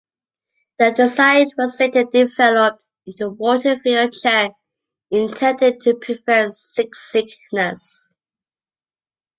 The design was later developed into a water-filled chair intended to prevent seasickness.